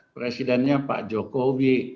presidennya pak jokowi